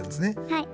はい。